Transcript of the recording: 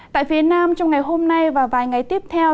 tại phía nam trong ngày hôm nay và vài ngày tiếp theo